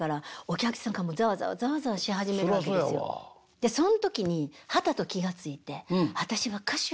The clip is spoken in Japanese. でそん時にはたと気が付いて私は歌手やと。